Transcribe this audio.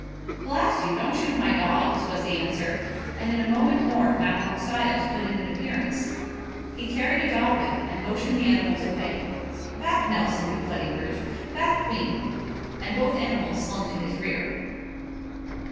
"Blast you, don't you shoot my dogs," was the answer, and in a moment more Matlock Styles put in an appearance. He carried a dog whip and motioned the animals away. "Back, Nelson, you bloody brute! Back, Queen!" And both animals slunk to his rear.